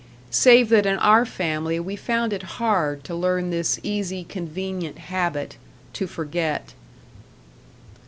Save that in our family we found it hard to learn this easy, convenient habit to forget.